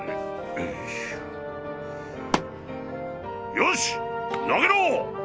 よし投げろ。